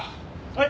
はい！